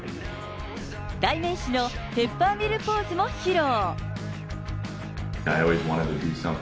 代名詞のペッパーミルポーズも披露。